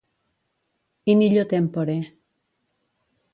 In illo tempore.